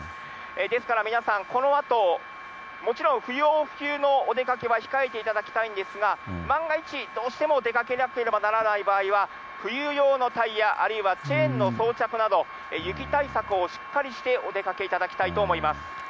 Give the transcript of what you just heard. ですから皆さん、このあともちろん不要不急のお出かけは控えていただきたいんですが、万が一、どうしても出かけなければならない場合は、冬用のタイヤあるいはチェーンの装着など、雪対策をしっかりしてお出かけいただきたいと思います。